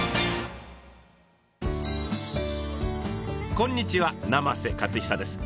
こんにちは生瀬勝久です。